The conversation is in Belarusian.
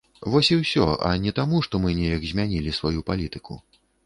Вось і ўсё, а не таму, што мы неяк змянілі сваю палітыку.